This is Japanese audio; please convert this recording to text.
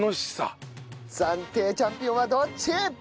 暫定チャンピオンはどっち！？